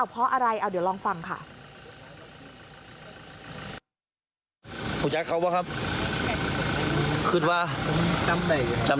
เพราะอะไรเอาเดี๋ยวลองฟังค่ะ